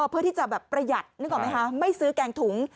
เพื่อที่จะแบบประหยัดนึกออกไหมคะไม่ซื้อแกงถุง